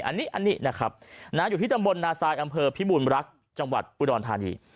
อันนี้นะครับอยู่ที่ตำบลนาซายอำเภอพิบูรณรักษ์จังหวัดอุดรธานี